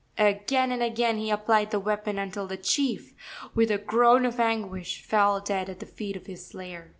Again and again he applied the weapon until the chief, with a groan of anguish, fell dead at the feet of his slayer.